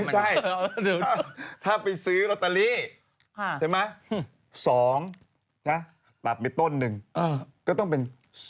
ไม่ใช่ถ้าไปซื้อโรตาลีใช่ไหม๒ตัดไปต้น๑ก็ต้องเป็น๒๑